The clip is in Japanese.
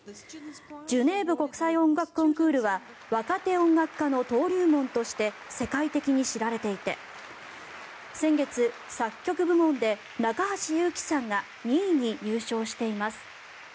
ジュネーブ国際音楽コンクールは若手音楽家の登竜門として世界的に知られていて先月、作曲部門で中橋祐紀さんが２位に入賞しています。